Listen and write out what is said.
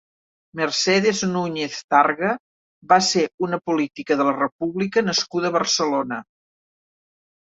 Mercedes Núñez Targa va ser una política de la república nascuda a Barcelona.